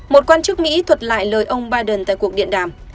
một quan chức mỹ thuật lại lời ông biden tại cuộc điện đàm